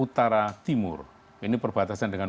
timur ini perbatasan dengan